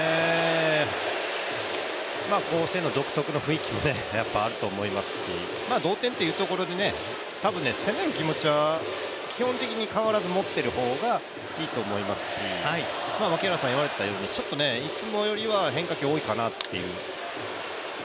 甲子園の独特の雰囲気もあると思いますし同点というところで、多分攻める気持ちは基本的に変わらず持っている方がいいと思いますし、ちょっといつもよりは変化球多いかなっていう。